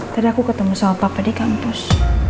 tadi aku ketemu sama papa di kampus